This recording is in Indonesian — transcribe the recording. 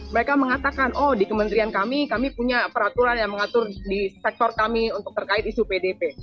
mereka mengatakan oh di kementerian kami kami punya peraturan yang mengatur di sektor kami untuk terkait isu pdp